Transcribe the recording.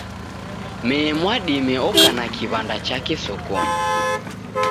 Mee Mwadime oka na kiw'anda chake sokonyi